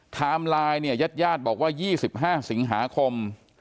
ไลน์เนี่ยญาติญาติบอกว่า๒๕สิงหาคม